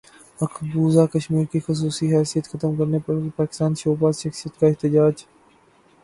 مقبوضہ کشمیر کی خصوصی حیثیت ختم کرنے پر پاکستانی شوبز شخصیات کا احتجاج